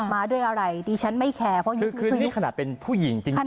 มาด้วยอะไรดีฉันไม่แคร์เพราะยังคือคือนี่ขนาดเป็นผู้หญิงจริงจริง